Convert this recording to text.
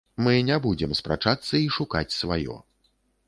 Мы не будзем спрачацца і шукаць сваё.